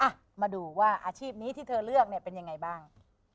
อ่ะมาดูว่าอาชีพนี้ที่เธอเลือกเนี่ยเป็นยังไงบ้าง